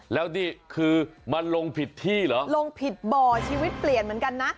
แล้วนี่คือมันลงผิดที่เหรอลงผิดบ่อชีวิตเปลี่ยนเหมือนกันนะ